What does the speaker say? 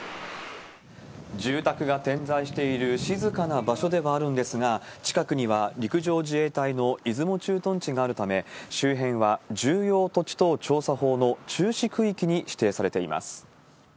住宅が点在している静かな場所ではあるんですが、近くには陸上自衛隊の出雲駐屯地があるため、周辺は重要土地等調査法の注視区域に指定されています。